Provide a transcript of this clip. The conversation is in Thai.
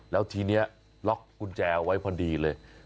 แล้วทีนี้ล็อกกุญแจไว้พอดีเลย